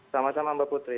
sama sama mbak putri